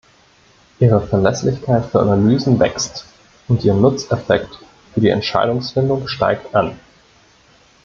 Ihre Verlässlichkeit für Analysen wächst, und ihr Nutzeffekt für die Entscheidungsfindung steigt an.